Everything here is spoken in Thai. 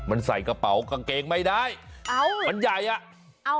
มันใส่กระเป๋ากางเกงไม่ได้เอามันใหญ่อ่ะ